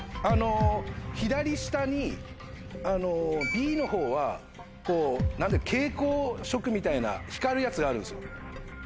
左下にＢのほうは何ていうの蛍光色みたいな光るやつがあるんですよ。